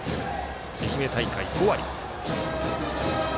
愛媛大会５割。